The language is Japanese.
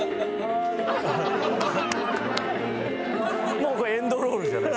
もうこれエンドロールじゃない？